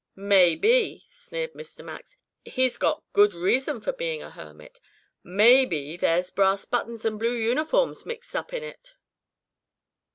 "Maybe," sneered Mr. Max, "he's got good reason for being a hermit. Maybe there's brass buttons and blue uniforms mixed up in it."